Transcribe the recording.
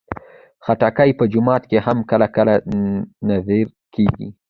خټکی په جومات کې هم کله کله نذر کېږي.